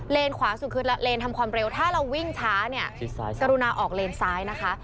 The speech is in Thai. ขวาสุดคือเลนทำความเร็วถ้าเราวิ่งช้าเนี่ยกรุณาออกเลนซ้ายนะคะ